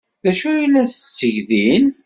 D acu ay la tetteg din?